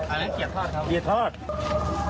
เอาไหนเสียเถาครับ